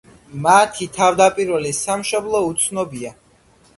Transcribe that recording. მათი თავდაპირველი სამშობლო უცნობია.